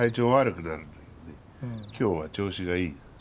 今日は調子がいい。